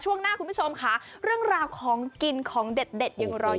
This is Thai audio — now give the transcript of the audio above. ช่วงหน้าคุณผู้ชมค่ะเรื่องราวของกินของเด็ดยังรออยู่